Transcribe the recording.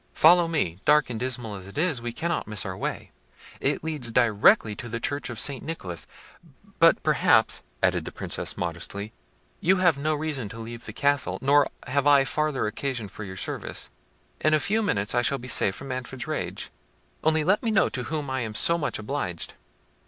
"Follow me; dark and dismal as it is, we cannot miss our way; it leads directly to the church of St. Nicholas. But, perhaps," added the Princess modestly, "you have no reason to leave the castle, nor have I farther occasion for your service; in a few minutes I shall be safe from Manfred's rage—only let me know to whom I am so much obliged."